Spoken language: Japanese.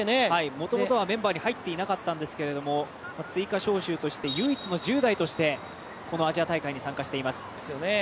もともとはメンバーに入っていなかったんですが追加招集として唯一の１０代としてこのアジア大会に参加しています。